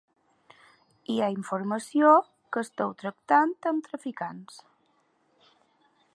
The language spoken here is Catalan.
Hi ha informació que esteu tractant amb traficants.